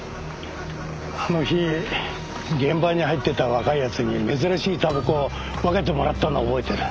あの日現場に入ってた若い奴に珍しいたばこを分けてもらったのは覚えてる。